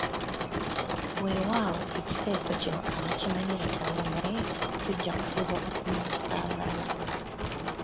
Weewaawo ekiteeso kino abakimanyi batono naye tujja kufuba okumanyisa abalala.